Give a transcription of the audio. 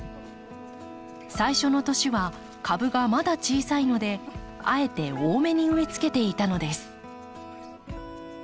最初の年は株がまだ小さいのであえて多めに植えつけていたのです。